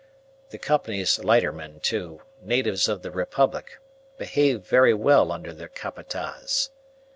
The Company's lightermen, too, natives of the Republic, behaved very well under their Capataz.